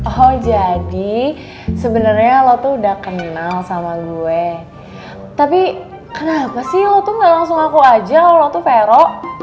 oh jadi sebenarnya lo tuh udah kenal sama gue tapi kenapa sih lo tuh gak langsung aku aja lo tuh vero